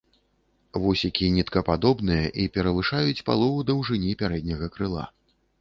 Вусікі ніткападобныя і перавышаюць палову даўжыні пярэдняга крыла.